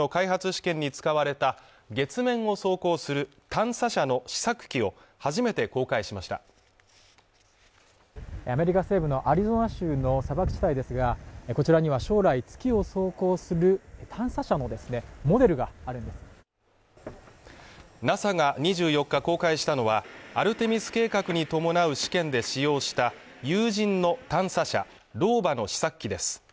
試験に使われた月面を走行する探査車の試作機を初めて公開しましたアメリカ西部のアリゾナ州の砂漠地帯ですがこちらには将来月を走行する探査車のモデルがあるんですＮＡＳＡが２４日公開したのはアルテミス計画に伴う試験で使用した有人の探査車ローバの試作機です